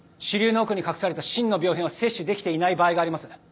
腫瘤の奥に隠された真の病変を摂取できていない場合があります。